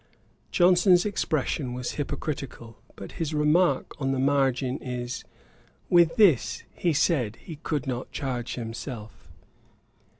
Johnson's expression was hypocritical; but his remark on the margin is 'With this he said he could not charge himself.'